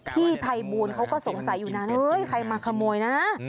พี่ภัยบูลเขาก็สงสัยอยู่นานเฮ้ยใครมาขโมยนะ